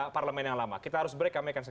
parlemen yang lama kita harus break kami akan